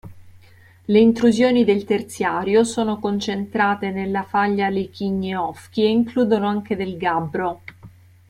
Le intrusioni del Terziario sono concentrate nella faglia Liquiñe-Ofqui e includono anche del gabbro.